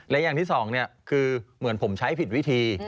และอย่างที่สองคือเหมือนผมใช้ผิดวิธี